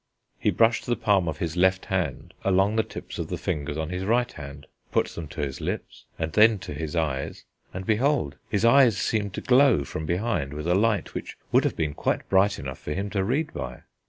He brushed the palm of his left hand along the tips of the fingers on his right hand, put them to his lips and then to his eyes, and behold! his eyes began to glow from behind with a light which would have been quite bright enough for him to read by.